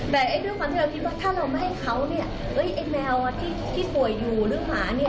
แต่ด้วยความที่เราคิดว่าถ้าเราไม่ให้เขาเนี่ยไอ้แมวที่ป่วยอยู่หรือหมาเนี่ย